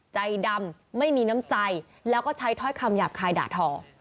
ใจดำไม่มีน้ำใจแล้วก็ใช้ถ้อยคำหยาบคายด่าทอ